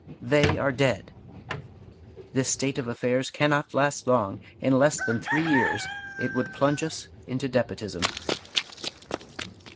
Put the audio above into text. They are dead!... This state of affairs cannot last long; in less than three years it would plunge us into despotism.